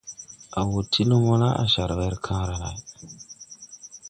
A wɔ ti lumo la, car wer kããra lay.